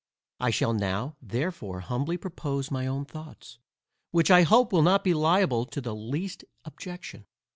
I shall now therefore humbly propose my own thoughts, which I hope will not be liable to the least objection.